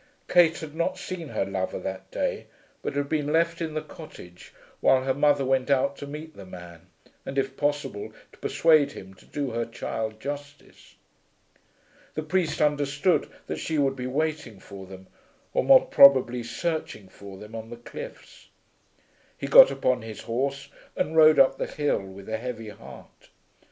Kate had not seen her lover that day, but had been left in the cottage while her mother went out to meet the man, and if possible to persuade him to do her child justice. The priest understood that she would be waiting for them, or more probably searching for them on the cliffs. He got upon his horse and rode up the hill with a heavy heart.